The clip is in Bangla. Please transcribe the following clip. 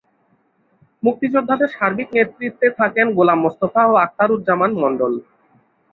মুক্তিযোদ্ধাদের সার্বিক নেতৃত্বে থাকেন গোলাম মোস্তফা ও আখতারুজ্জামান মণ্ডল।